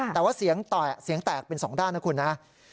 แต่ว่าเสียงแตกเป็นสองด้านนะคุณนะ